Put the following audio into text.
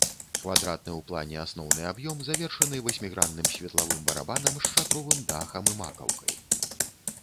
Квадратны ў плане асноўны аб'ём завершаны васьмігранным светлавым барабанам з шатровым дахам і макаўкай.